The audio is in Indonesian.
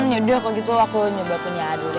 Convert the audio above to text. yaudah kalau gitu aku nyoba punya adu deh